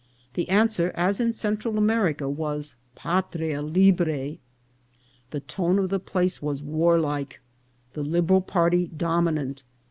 The answer, as in Central America, was " Patria libre." The tone of the place was warlike, the Liberal party dominant.